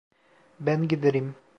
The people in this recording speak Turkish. Ben giderim.